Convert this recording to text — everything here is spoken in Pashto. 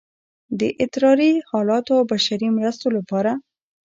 د اضطراري حالاتو او بشري مرستو لپاره